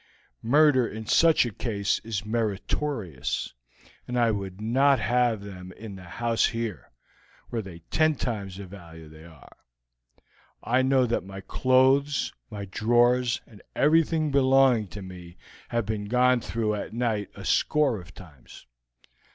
Murder in such a case is meritorious, and I would not have them in the house here, were they ten times the value they are. I know that my clothes, my drawers, and everything belonging to me have been gone through at night a score of times.